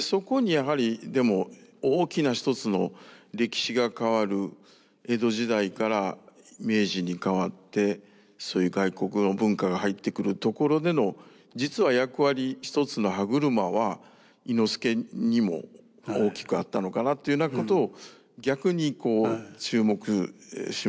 そこにやはりでも大きなひとつの歴史が変わる江戸時代から明治に変わってそういう外国の文化が入ってくるところでの実は役割１つの歯車は伊之助にも大きくあったのかなというようなことを逆にこう注目しましたね。